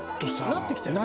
なってきてるね。